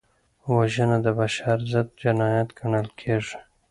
وژنه د بشر ضد جنایت ګڼل کېږي